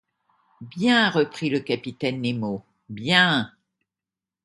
Bien, reprit le capitaine Nemo, bien !…